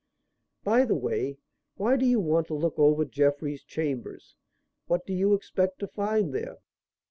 "By the way, why do you want to look over Jeffrey's chambers? What do you expect to find there?"